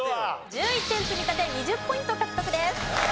１１点積み立て２０ポイント獲得です。